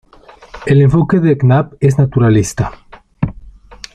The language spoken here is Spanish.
El enfoque de Knapp es naturalista.